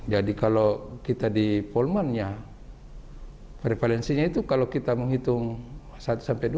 jadi kalau kita di polmannya prevalensinya itu kalau kita menghitung satu sampai dua